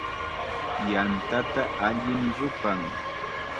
Yantata allim rupan.